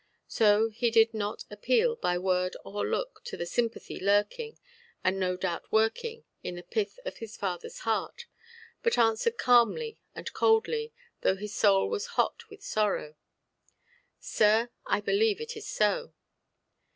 So he did not appeal, by word or look, to the sympathy lurking, and no doubt working, in the pith of his fatherʼs heart, but answered calmly and coldly, though his soul was hot with sorrow— "Sir, I believe it is so".